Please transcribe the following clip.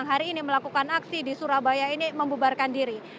hari ini melakukan aksi di surabaya ini membubarkan diri